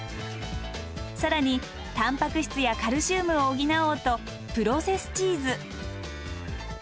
更にたんぱく質やカルシウムを補おうとプロセスチーズ。